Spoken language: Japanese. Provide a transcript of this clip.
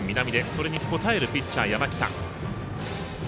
それに応えるピッチャー、山北。